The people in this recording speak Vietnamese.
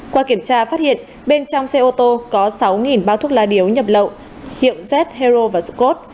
qua kiểm tra phát hiện bên trong xe ô tô có sáu bao thuốc lá điếu nhập lậu hiệu z hero và rucot